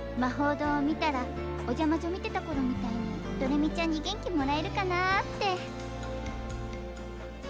堂を見たら「おジャ魔女」見てた頃みたいにどれみちゃんに元気もらえるかなって。